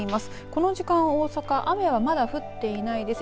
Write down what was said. この時間、大阪雨は、まだ降っていないです。